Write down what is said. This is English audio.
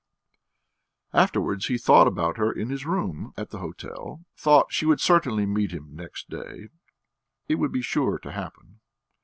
Afterwards he thought about her in his room at the hotel thought she would certainly meet him next day; it would be sure to happen.